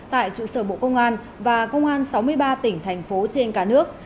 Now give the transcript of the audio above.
tại trụ sở bộ công an và công an sáu mươi ba tỉnh thành phố trên cả nước